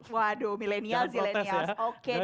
waduh milenial zilenial oke deh